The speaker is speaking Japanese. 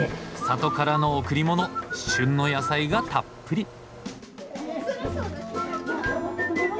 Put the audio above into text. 里からの贈りもの旬の野菜がたっぷり。